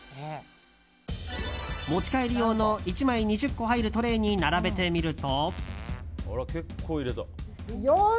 持ち帰り用の１枚２０個入るトレーに並べてみると。